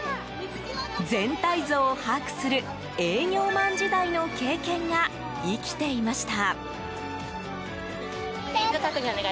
全体像を把握する営業マン時代の経験が生きていました。